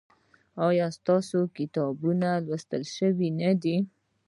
ایا ستاسو کتابونه لوستل شوي نه دي؟